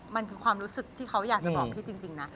มันคือความรู้สึกที่เขาอยากจะบอกพี่จริงนะ